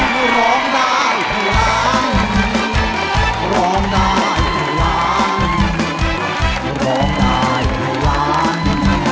ก็ร้องได้ให้ร้าง